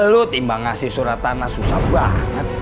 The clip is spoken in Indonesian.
lu timbang ngasih surat tanah susah banget